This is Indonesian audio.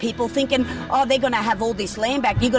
berpikir oh mereka akan memiliki semua landas ini